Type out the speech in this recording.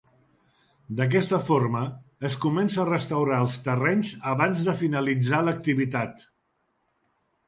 D'aquesta forma, es comença a restaurar els terrenys abans de finalitzar l'activitat.